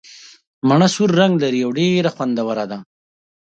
مڼه سور رنګ لري او ډېره خوندوره ده.